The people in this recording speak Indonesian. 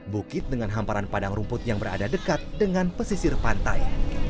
bukit dengan hamparan padang rumput yang berada dekat dengan pesisir pantai